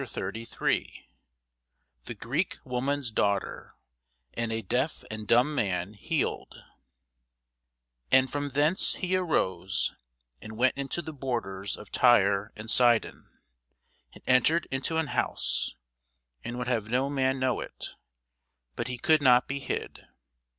CHAPTER 33 THE GREEK WOMAN'S DAUGHTER AND A DEAF AND DUMB MAN HEALED AND from thence he arose, and went into the borders of Tyre and Sidon, and entered into an house, and would have no man know it: but he could not be hid.